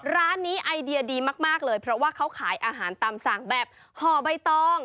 ร้านนี้ไอเดียดีมากเลยเพราะว่าเขาขายอาหารตามสั่งแบบห่อใบตอง